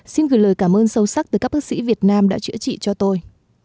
xin gửi lời cảm ơn sâu sắc từ các bác sĩ việt nam đã chữa trị cho tôi